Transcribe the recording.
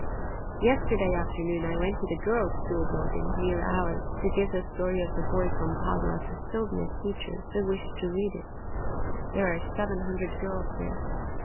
Yesterday afternoon I went to the girls' school building, near ours, to give the story of the boy from Padua to Sylvia's teacher, who wished to read it. There are seven hundred girls there.